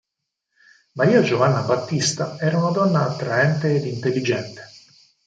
Maria Giovanna Battista era una donna attraente ed intelligente.